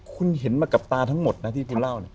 คุณเห็นมากับตาทั้งหมดที่คุณเล่า